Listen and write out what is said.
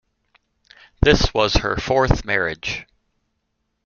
This was her fourth marriage.